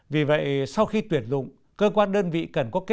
vì vậy sau khi tuyển dụng cơ quan đơn vị cần có kiến thức